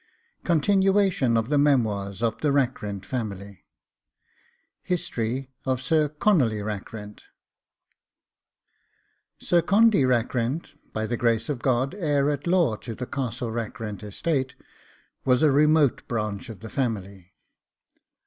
CONTINUATION OF THE MEMOIRS OF THE RACKRENT FAMILY HISTORY OF SIR CONOLLY RACKRENT Sir Condy Rackrent, by the grace of God heir at law to the Castle Rackrent estate, was a remote branch of the family.